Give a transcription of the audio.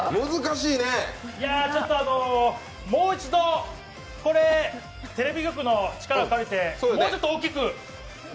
いやー、もう一度、テレビ局の力を借りて、これもうちょっと大きく。